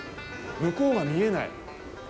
向こうが見えない。